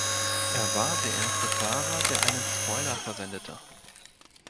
Er war der erste Fahrer, der einen Spoiler verwendete.